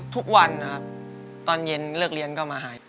ทุกวันนะครับตอนเย็นเลิกเรียนก็มาหาย